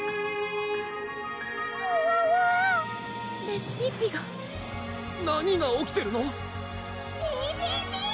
レシピッピが何が起きてるの⁉ピー！